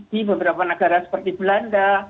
di beberapa negara seperti belanda